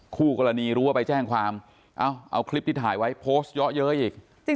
คู่กรณีรู้ว่าไปแจ้งความเอาคลิปที่ถ่ายไว้โพสต์เยอะอีก